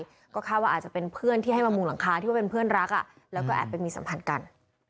แล้วก็คาดว่าอาจจะเป็นเพื่อนที่ให้มามุงหลังคาที่ว่าเป็นเพื่อนรักแล้วก็แอบไปมีสัมพันธ์กัน